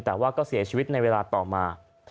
แต่ว่าก็เสียชีวิตในเวลาต่อมา